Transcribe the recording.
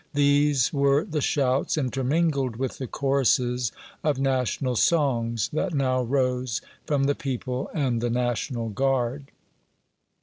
these were the shouts, intermingled with the choruses of national songs, that now rose from the people and the National Guard.